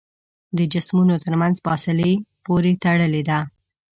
د جسمونو تر منځ فاصلې پورې تړلې ده.